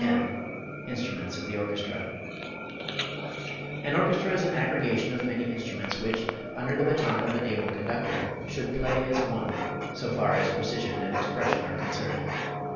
X INSTRUMENTS OF THE ORCHESTRA An orchestra is an aggregation of many instruments which, under the baton of an able conductor, should play as one, so far as precision and expression are concerned.